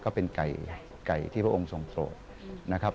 ก็เป็นไก่ที่พระองค์ทรงโสดนะครับ